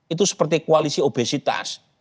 itu seperti koalisi obesitas